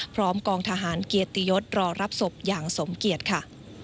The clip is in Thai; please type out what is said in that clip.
กองทหารเกียรติยศรอรับศพอย่างสมเกียจค่ะ